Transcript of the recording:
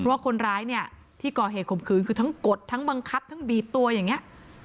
ว่าคนร้ายเนี่ยที่ก่อเหตุข่มขืนคือทั้งกดทั้งบังคับทั้งบีบตัวอย่างนี้